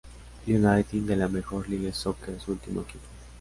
United de la Major League Soccer su último equipo.